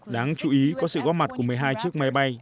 đáng chú ý có sự góp mặt của một mươi hai chiếc máy bay